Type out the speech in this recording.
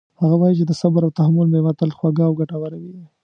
هغه وایي چې د صبر او تحمل میوه تل خوږه او ګټوره وي